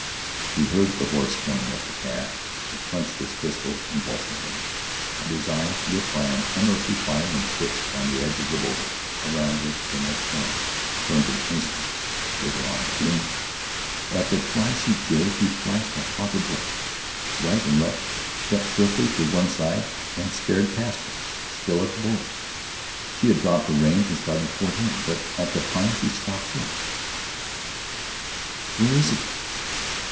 He heard the horse coming up the path, he clenched his pistol convulsively, and his eyes, lit by an unearthly fire and fixed on the edge of the bowlder around which they must come, burned an instant later on June. At the cry she gave, he flashed a hunted look right and left, stepped swiftly to one side and stared past her still at the bowlder. She had dropped the reins and started toward him, but at the Pine she stopped short. "Where is he?"